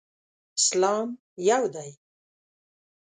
اسلام یو دی.